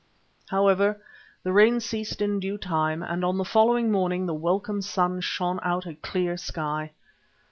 However, the rain ceased in due time, and on the following morning the welcome sun shone out of a clear sky.